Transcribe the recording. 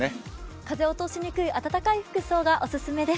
風を通しにくい暖かい服装がおすすめです。